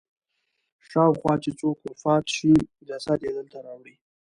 شاوخوا چې څوک وفات شي جسد یې دلته راوړي.